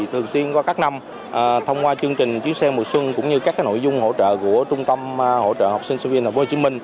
thường xuyên qua các năm thông qua chương trình chuyến xe mùa xuân cũng như các nội dung hỗ trợ của trung tâm hỗ trợ học sinh sinh viên tp hcm